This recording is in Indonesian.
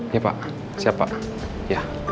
iya pak siapa